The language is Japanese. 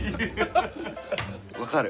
分かる。